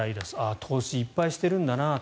投資をいっぱいしているんだな。